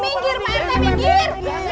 minggir pak ente minggir